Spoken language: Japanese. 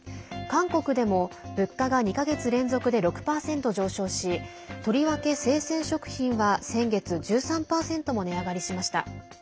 韓国でも物価が２か月連続で６％上昇しとりわけ生鮮食品は先月１３％も値上がりしました。